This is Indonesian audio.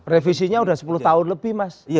revisinya sudah sepuluh tahun lebih mas